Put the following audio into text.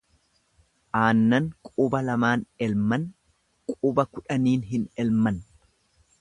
Aannan quba lamaan elman, quba kudhaniin hin elman.